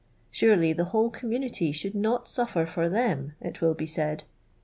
Purely the whole community should not suffer for them it will be sjiid.